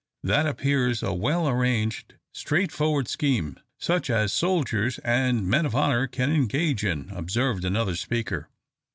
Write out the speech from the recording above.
"That appears a well arranged, straightforward scheme, such as soldiers and men of honour can engage in," observed another speaker.